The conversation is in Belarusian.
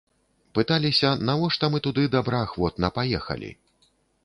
Пыталіся, навошта мы туды добраахвотна паехалі?